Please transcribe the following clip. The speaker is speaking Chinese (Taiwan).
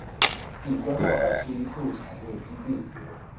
已規劃二十一處產業基地